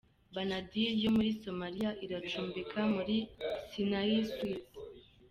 Banadir yo muri Somalia iracumbika muri Sinai Suites.